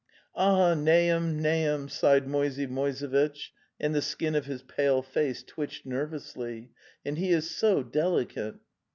"Ah, Nahum, Nahum!"' sighed Moisey Moise vitch, andl the skin of his pale face twitched nery ously. '' And he is so delicate."